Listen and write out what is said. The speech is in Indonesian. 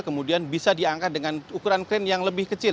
kemudian bisa diangkat dengan ukuran kren yang lebih kecil